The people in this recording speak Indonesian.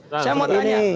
terus saya mau tanya